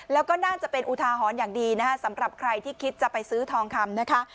แล้วก็น่าจะเป็นอุทาหรณ์อย่างดีนะคะสำหรับใครที่คิดจะไปซื้อทองคำนะคะ